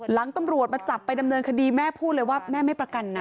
ตำรวจมาจับไปดำเนินคดีแม่พูดเลยว่าแม่ไม่ประกันนะ